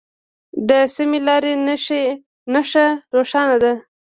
د سمې لارې نښه روښانه ده.